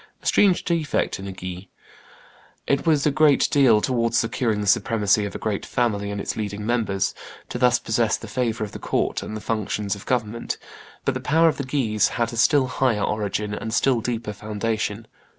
a strange defect in a Guise. It was a great deal, towards securing the supremacy of a great family and its leading members, to thus possess the favor of the court and the functions of government; but the power of the Guises had a still higher origin and a still deeper foundation.